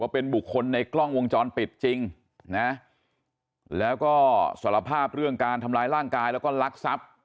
เป็นบุคคลในกล้องวงจรปิดจริงนะแล้วก็สารภาพเรื่องการทำร้ายร่างกายแล้วก็ลักทรัพย์